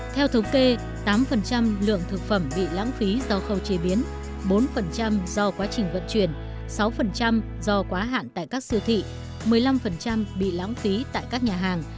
theo thống kê tám lượng thực phẩm bị lãng phí do khâu chế biến bốn do quá trình vận chuyển sáu do quá hạn tại các siêu thị một mươi năm bị lãng phí tại các nhà hàng